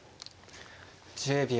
１０秒。